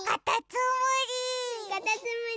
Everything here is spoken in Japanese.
かたつむり！